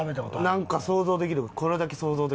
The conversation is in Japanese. なんか想像できる。